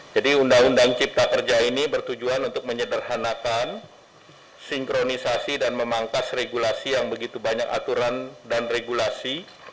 jadi undang undang cipta kerja ini bertujuan untuk menyederhanakan sinkronisasi dan memangkas regulasi yang begitu banyak aturan dan regulasi